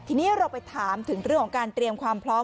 ทีนี้เราไปถามถึงเรื่องของการเตรียมความพร้อม